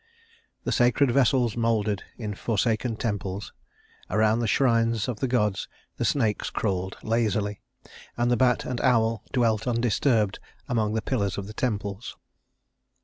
The sacred vessels moldered in forsaken temples; around the shrines of the gods the snakes crawled lazily; and the bat and owl dwelt undisturbed among the pillars of the temples.